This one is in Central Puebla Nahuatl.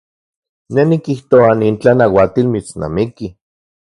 Ne nikijtoa nin tlanauatil mitsnamiki.